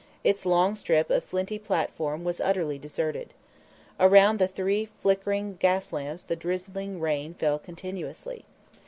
Its long strip of flinty platform was utterly deserted. Around the three flickering gas lamps the drizzling rain fell continuously.